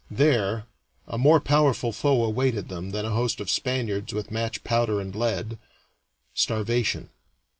There a more powerful foe awaited them than a host of Spaniards with match, powder, and lead starvation.